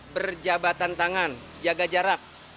berjabatan tangan jaga jarak